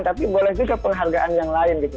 tapi boleh juga penghargaan yang lain gitu